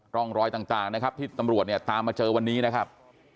ร่องรอยต่างนะครับที่ตำรวจเนี่ยตามมาเจอวันนี้นะครับ